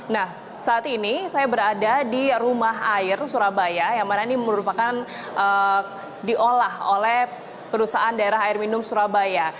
nah saat ini saya berada di rumah air surabaya yang mana ini merupakan diolah oleh perusahaan daerah air minum surabaya